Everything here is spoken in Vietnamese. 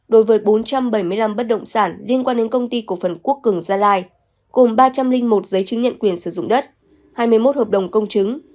đối với bốn trăm bảy mươi năm bất động sản liên quan đến công ty cổ phần quốc cường gia lai cùng ba trăm linh một giấy chứng nhận quyền sử dụng đất hai mươi một hợp đồng công chứng